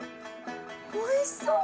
おいしそう。